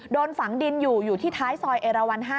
โดนฝังดินอยู่อยู่ที่ท้ายซอยเอราวัน๕